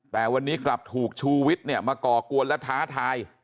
แต่วันนี้กลับถูกชูวิทย์เนี่ยมาก่อกวนและท้าทาย